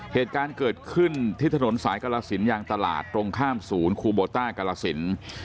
เหตุการณ์เกิดขึ้นที่ถนนสายกรสินยางตลาดตรงข้ามศูนย์คูโบต้ากรสิน